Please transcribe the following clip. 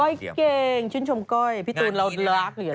ก้อยเก่งชื่นชมก้อยพี่ตูนเรารักเหรอ